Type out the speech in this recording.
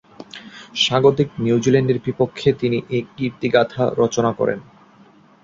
স্বাগতিক নিউজিল্যান্ডের বিপক্ষে তিনি এ কীর্তিগাঁথা রচনা করেন।